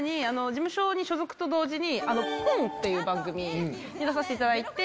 事務所に所属と同時に『ＰＯＮ！』っていう番組に出させていただいて。